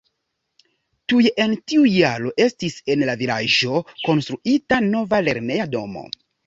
Tuj en tiu jaro estis en la vilaĝo konstruita nova lerneja domo.